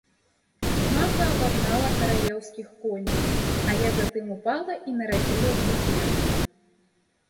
Маха абагнала каралеўскіх коней, але затым ўпала і нарадзіла блізнят.